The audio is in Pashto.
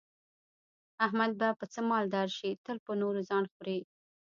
احمد به په څه مالدار شي، تل په نورو ځان خوري.